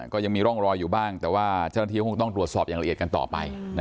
ก็ยังมีร่องรอยอยู่บ้างแต่ว่าเจ้าหน้าที่ก็คงต้องตรวจสอบอย่างละเอียดกันต่อไป